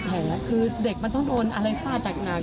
ไม่ได้เห็นบัดแขนคือเด็กมันต้องโดนอะไรฟ้าจากหนัก